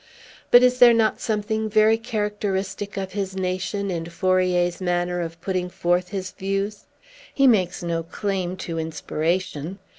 But is there not something very characteristic of his nation in Fourier's manner of putting forth his views? He makes no claim to inspiration.